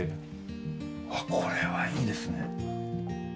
これはいいですね。